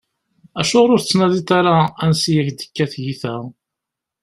Acuɣeṛ ur tettnadiḍ ara ansa i ak-d-tekka tyita?